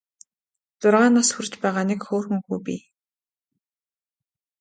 Зургаан нас хүрч байгаа нэг хөөрхөн хүү бий.